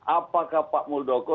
apakah pak muldoko